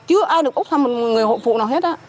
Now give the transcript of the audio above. chưa ai được bóc thăm một người hộ phụ nào hết